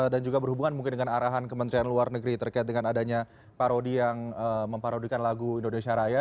dan juga berhubungan mungkin dengan arahan kementerian luar negeri terkait dengan adanya parodi yang memparodikan lagu indonesia raya